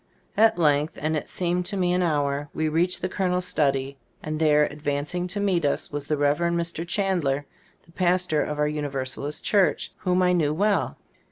At length, and it seemed to me an hour, we reached the coloners study, and there, advancing to meet us, was the Rev erend Mr. Chandler, the pastor of our Universalist church, whom I knew well.